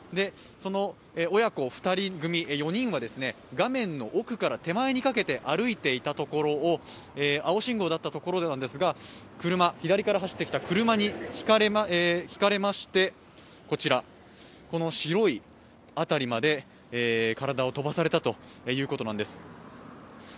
親子２人組、４人は画面の奥から手前にかけて歩いていたところを、青信号だったところなんですが、左から走ってきた車にひかれましてこちら、この白い辺りまで、体を飛ばされたということなんです。